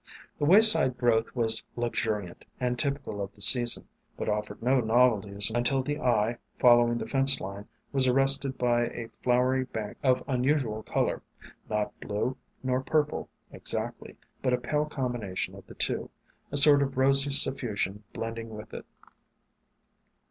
The wayside growth was luxuriant, and typical of the season, but offered no novelties until the eye, following the fence line, was arrested by a flowery bank of unusual color, not blue, nor pur ple, exactly, but a pale combination of the two, a sort of rosy suffusion blending with it.